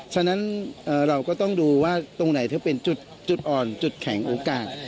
ฉะนั้นเราก็ต้องดูว่าตรงไหนเธอเป็นจุดอ่อนจุดแข็งโอกาส